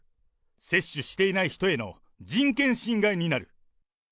接種していない人への人権侵害になる。